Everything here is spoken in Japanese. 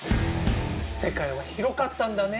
世界は広かったんだね。